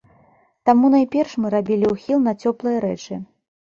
Таму найперш мы рабілі ўхіл на цёплыя рэчы.